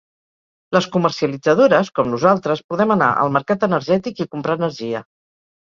Les comercialitzadores, com nosaltres, podem anar al mercat energètic i comprar energia.